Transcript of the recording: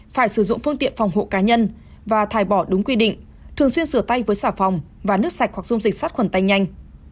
phải sử dụng phương tiện phòng hộ cá nhân và thải bỏ đúng quy định thường xuyên rửa tay với xà phòng và nước sạch hoặc dung dịch sát khuẩn tay nhanh